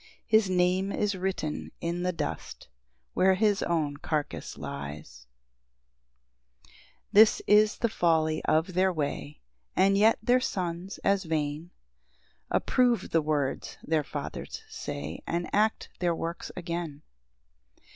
His name is written in the dust Where his own carcase lies. PAUSE. 8 This is the folly of their way; And yet their sons, as vain, Approve the words their fathers say, And act their works again.